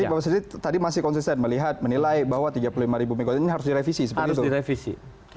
berarti tadi masih konsisten melihat menilai bahwa tiga puluh lima mw ini harus direvisi seperti itu